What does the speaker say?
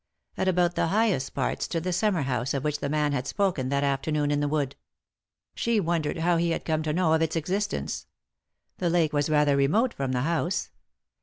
At about the highest part stood the summer house of which the man had spoken that afternoon in the wood. She wondered how he had come to know ot its existence. The lake was rather remote from the house.